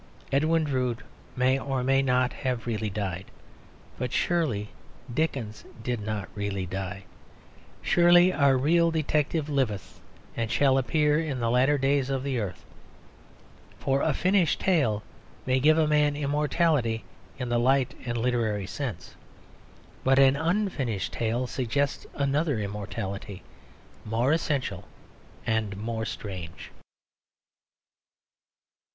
Edwin Drood may or may not have really died; but surely Dickens did not really die. Surely our real detective liveth and shall appear in the latter days of the earth. For a finished tale may give a man immortality in the light and literary sense; but an unfinished tale suggests another immortality, more essential and more strange.